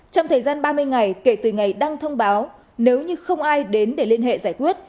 trong thời gian ba mươi ngày kể từ ngày đăng thông báo nếu như không ai đến để liên hệ giải quyết